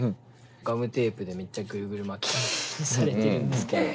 ガムテープでめっちゃグルグル巻きにされてるんですけど。